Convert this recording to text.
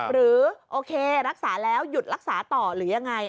หรือโอเครักษาแล้วหยุดรักษาต่อหรือยังไง